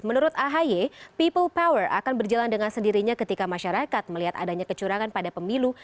menurut ahy people power akan berjalan dengan sendirinya ketika masyarakat melihat adanya kecurangan pada pemilu